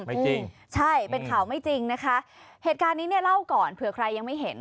จริงใช่เป็นข่าวไม่จริงนะคะเหตุการณ์นี้เนี่ยเล่าก่อนเผื่อใครยังไม่เห็น